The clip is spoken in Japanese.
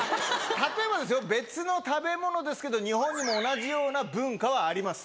例えばですよ、別の食べ物ですけど、日本にも同じような文化はあります。